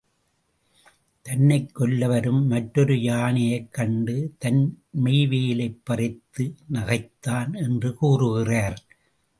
தன்னைக் கொல்ல வரும் மற்றொரு யானையைக் கண்டு தன் மெய்வேலைப் பறித்து நகைத்தான் என்று கூறுகிறார்.